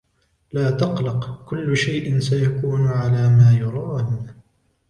لا تقلق, كل شئ سيكون على ما يرام.